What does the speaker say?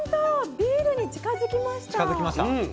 ビールに近づきました。